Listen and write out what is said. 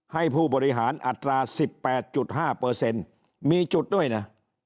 ให้ผู้บริหารอัตรา๑๘๕มีจุดด้วยนะ